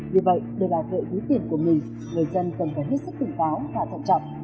vì vậy để bảo vệ quý tiền của mình người dân cần phải hết sức tỉnh báo và trọng trọng